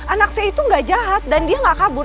anak saya itu gak jahat dan dia gak kabur